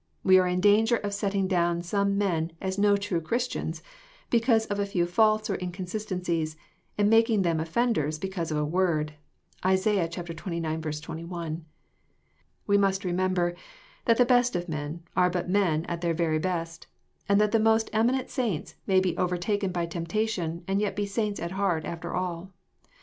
We are in djinger of setting down some men as no true Christianj^ because of a few faults or inconsistencies, and *^ making them offenders because of a word." (Isa. xxix. 21.) We must remember that the best of men are but men at their very best, and that the most eminent saints may be overtaken by temptation, and yet be saints at heart after all.